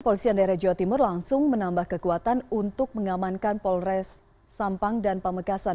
polisian daerah jawa timur langsung menambah kekuatan untuk mengamankan polres sampang dan pamekasan